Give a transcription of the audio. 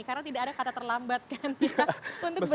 karena tidak ada kata terlambat kan ya untuk berlatih